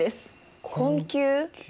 困窮？